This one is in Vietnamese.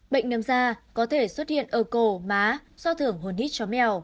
bệnh nấm da có thể xuất hiện ở cổ má so thưởng hồn hít chó mèo